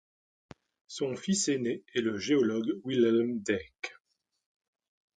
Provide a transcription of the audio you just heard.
Son fils aîné est le géologue Wilhelm Deecke.